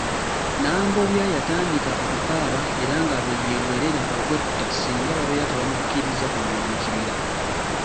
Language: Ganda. Nambobya yatandika okukaaba era nga bweyeewerera okwetta singa babeera tebamukkiriza kugenda mu kibira.